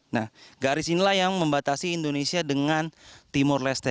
nah garis inilah yang membatasi indonesia dengan timur leste